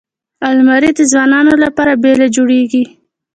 الماري د ځوانو لپاره بېله جوړیږي